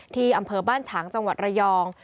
ที่อำเภอบ้านฉางจังหวัดระยอง